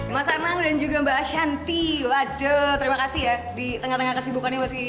mas anang dan juga mbak ashanti waduh terima kasih ya di tengah tengah kesibukannya masih